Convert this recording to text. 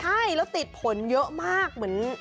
ใช่แล้วติดผลเยอะมาก